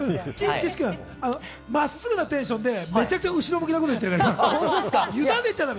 岸君、まっすぐなテンションでめちゃくちゃ後ろ向きなこと言っちゃだめ。